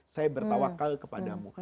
saya bertawakal kepadamu